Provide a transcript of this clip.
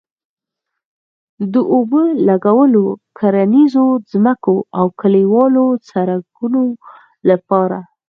د اوبه لګولو، کرنيزو ځمکو او کلیوالو سړکونو لپاره